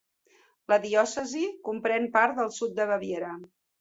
La diòcesi comprèn part del sud de Baviera.